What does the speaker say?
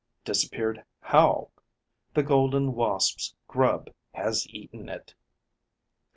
Disappeared how? The Golden Wasp's grub has eaten it.